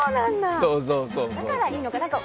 だからいいのか。